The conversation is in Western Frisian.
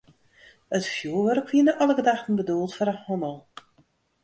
It fjoerwurk wie nei alle gedachten bedoeld foar de hannel.